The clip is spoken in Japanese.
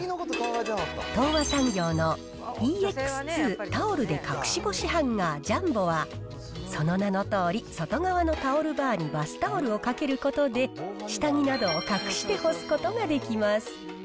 東和産業のＥＸＩＩタオルで隠し干しハンガージャンボは、その名のとおり、外側のタオルバーにバスタオルをかけることで、下着などを隠して干すことができます。